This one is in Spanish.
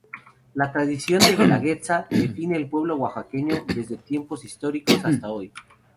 La tradición de "Guelaguetza" define al pueblo Oaxaqueño, desde tiempos históricos hasta hoy.